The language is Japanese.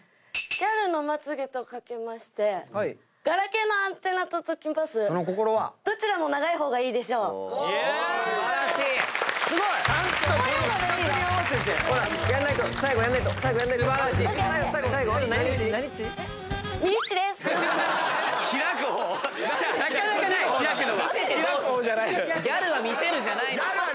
「ギャルは見せる」じゃない。